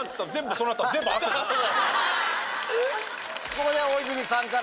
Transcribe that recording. ここで。